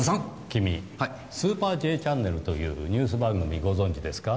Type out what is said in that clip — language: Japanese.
君「スーパーＪチャンネル」というニュース番組ご存じですか？